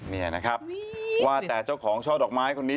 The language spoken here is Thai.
นี่นะครับว่าแต่เจ้าของช่อดอกไม้คนนี้